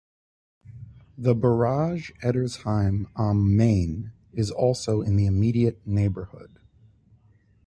The barrage Eddersheim am Main is also in the immediate neighborhood.